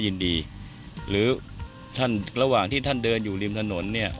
ก็ยินดีหรือระหว่างที่ท่านเดินอยู่ริมถนน